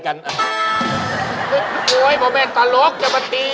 ๑๑โมงยังนั่งเศร้าอยู่เลยพี่